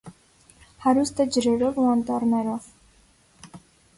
Հարուստ է ջրերով ու անտառներով։